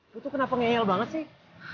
lo tuh kenapa ngehel banget sih